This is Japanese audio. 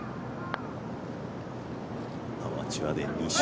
アマチュアで２勝。